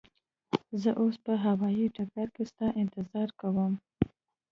زه اوس به هوایی ډګر کی ستا انتظار کوم.